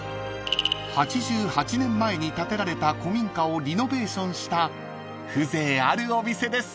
［８８年前に建てられた古民家をリノベーションした風情あるお店です］